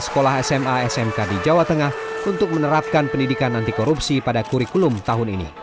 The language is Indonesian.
sekolah sma smk di jawa tengah untuk menerapkan pendidikan anti korupsi pada kurikulum tahun ini